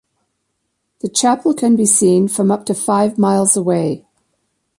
The chapel can be seen from up to five miles away.